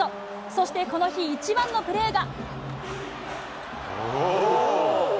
そしてこの日一番のプレーが。